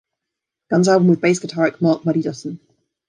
Guns album with bass guitarist Marc "Muddy" Dutton.